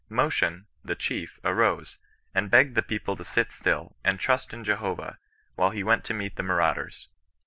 ^ Moshen (the chief) arose, and begged the people to sit still, and trust in Jehovah, while he went to meet the marauders.